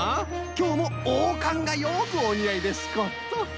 きょうもおうかんがよくおにあいですこと。